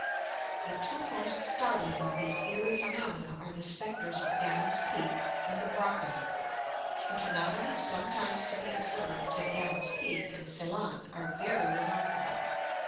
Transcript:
The two most startling of these "eerie" phenomena are the spectres of Adam's Peak and the Brocken. The phenomena sometimes to be observed at Adam's Peak, in Ceylon, are very remarkable.